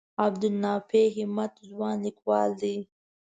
عبدالنافع همت ځوان لیکوال دی.